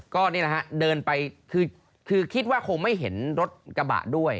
ก็นี่แหละฮะเดินไปคือคิดว่าคงไม่เห็นรถกระบะด้วย